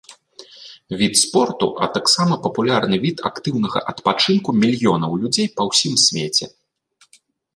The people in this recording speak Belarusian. Від спорту, а таксама папулярны від актыўнага адпачынку мільёнаў людзей па ўсім свеце.